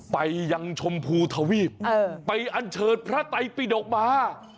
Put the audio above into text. ไปยังชมพูถวีบไปอัญเฉินพระไต้ปิดกบพระ